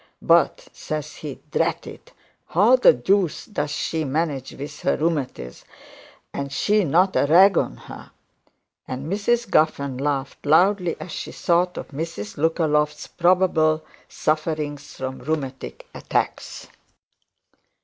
"But," says he, "drat it, how the deuce does she manage with her rheumatiz, and she not a rag on her:"' said Mrs Giffern, laughed loudly as she though of Mrs Lookalofts's probable sufferings from rheumatic attacks.